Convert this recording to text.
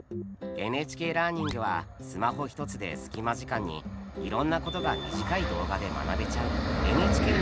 ＮＨＫラーニングはスマホ１つで隙間時間にいろんなことが短い動画で学べちゃうＮＨＫの新しいサービスです。